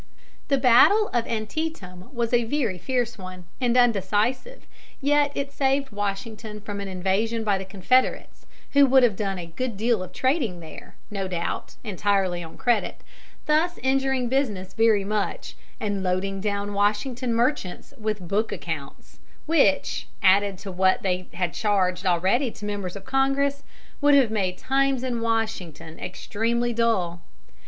] The battle of Antietam was a very fierce one, and undecisive, yet it saved Washington from an invasion by the Confederates, who would have done a good deal of trading there, no doubt, entirely on credit, thus injuring business very much and loading down Washington merchants with book accounts, which, added to what they had charged already to members of Congress, would have made times in Washington extremely dull.